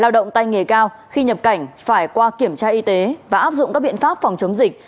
doanh nghề cao khi nhập cảnh phải qua kiểm tra y tế và áp dụng các biện pháp phòng chống dịch